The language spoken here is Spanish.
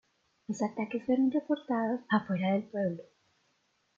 Los ataques fueron reportados afuera del pueblo.